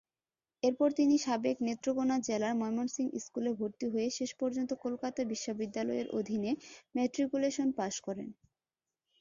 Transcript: এরপর তিনি সাবেক নেত্রকোণা জেলার ময়মনসিংহ স্কুলে ভরতি হয়ে শেষ পর্যন্ত কলকাতা বিশ্ববিদ্যালয়ের অধীনে ম্যাট্রিকুলেশন পাশ করেন।